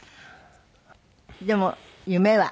でも夢は。